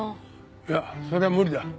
いやそれは無理だ。